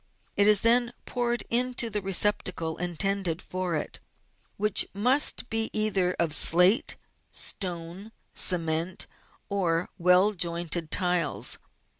It is then poured into the re ceptacle intended for it, which must be either of slate, stone, cement, or well jointed tiles.